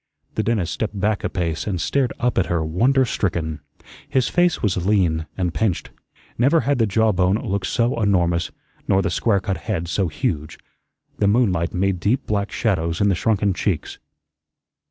The dentist stepped back a pace and stared up at her wonder stricken. His face was lean and pinched. Never had the jaw bone looked so enormous, nor the square cut head so huge. The moonlight made deep black shadows in the shrunken cheeks.